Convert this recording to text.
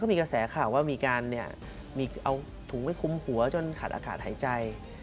มีกระแสข่าวว่ามีการเอาถุงไปคุมหัวจนขาดอากาศหายใจ